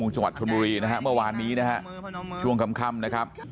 ช่วงกำค่ำนะครับ